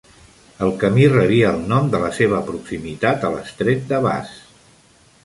El camí rebia el nom de la seva proximitat a l'estret de Bass.